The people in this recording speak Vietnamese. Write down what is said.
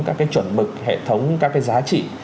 các cái chuẩn mực hệ thống các cái giá trị